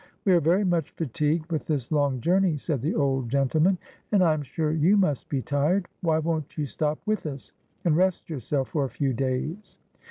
"We are very much fatigued with this long journey," said the old gentleman, "and I am sure you must be tired; why won't you stop with us and rest yourself for a few days?